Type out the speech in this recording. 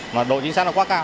mà độ chính xác nó quá cao